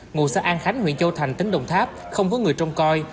ngụ xe an khánh huyện châu thành tỉnh đồng tháp không hướng người trông coi